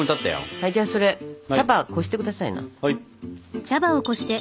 はいじゃあそれ茶葉こして下さいな。